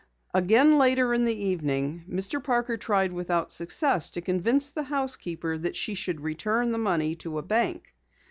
Again later in the evening, Mr. Parker tried without success to convince the housekeeper that she should return the money to a bank.